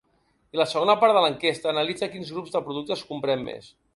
I la segona part de l’enquesta analitza quins grups de productes comprem més.